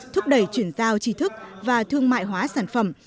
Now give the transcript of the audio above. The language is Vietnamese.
thúc đẩy chuyển giao tri thức và thương mại hóa sản phẩm